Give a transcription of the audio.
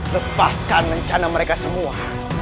lepaskan rencana mereka semua